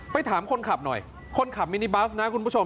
ถามคนขับหน่อยคนขับมินิบัสนะคุณผู้ชม